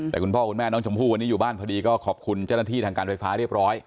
แต่คุณพ่อคุณแม่น้องชมพู่วันนี้อยู่บ้านพอดีก็ขอบคุณเจ้าหน้าที่ทางการไฟฟ้าเรียบร้อย